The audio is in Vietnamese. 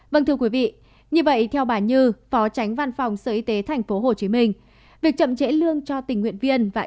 vâng thưa quý vị như vậy theo bà như phó tránh văn phòng sở y tế tp hcm việc chậm trễ lương cho tình nguyện viên